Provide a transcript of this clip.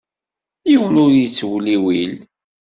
Yiwen ur yettewliwil.